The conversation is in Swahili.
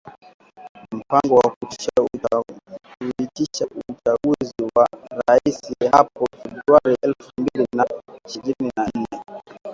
mpango wa kuitisha uchaguzi wa raisi hapo Februari elfu mbili na ishirini na nne